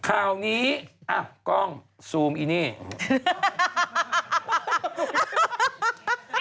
อ้าวก๊อกล้องซูมเย็นี่